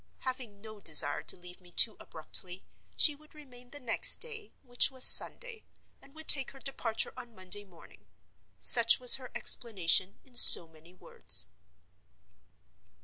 Having no desire to leave me too abruptly, she would remain the next day (which was Sunday); and would take her departure on Monday morning. Such was her explanation, in so many words.